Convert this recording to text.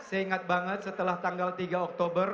seingat banget setelah tanggal tiga oktober